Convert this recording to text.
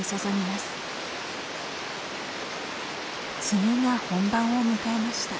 梅雨が本番を迎えました。